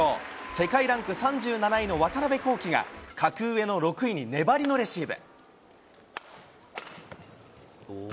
世界ランク３７位の渡邉航貴が、格上の６位に粘りのレシーブ。